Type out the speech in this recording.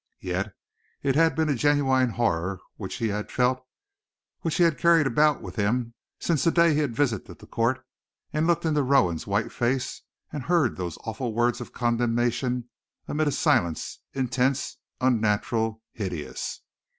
Yet it had been a genuine horror which he had felt, which he had carried about with him since the day he had visited the court and looked into Rowan's white face, and heard those awful words of condemnation amid a silence intense, unnatural, hideous.